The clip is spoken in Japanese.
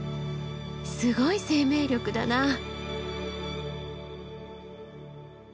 すごい生命力だな。